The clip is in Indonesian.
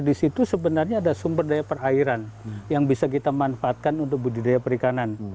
di situ sebenarnya ada sumber daya perairan yang bisa kita manfaatkan untuk budidaya perikanan